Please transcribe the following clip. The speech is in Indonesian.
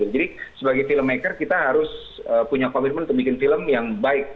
jadi sebagai filmmaker kita harus punya komitmen untuk bikin film yang baik